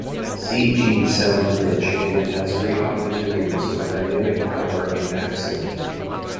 C-G sounds rich and it has great opportunities for dynamic power and accent.